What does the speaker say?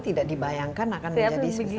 tidak dibayangkan akan menjadi